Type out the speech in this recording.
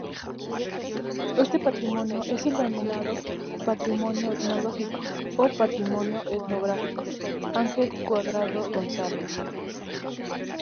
Ese patrimonio es el denominado patrimonio etnológico o patrimonio etnográfico"" Angel Cuadrado Gonzáles.